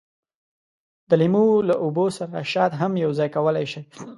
د لیمو له اوبو سره شات هم یوځای کولای شئ.